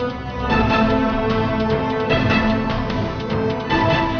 oke kamu juga knows adaweet breadth